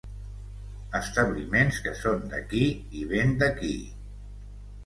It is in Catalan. Establiments que són d'aquí i ben d'aquí.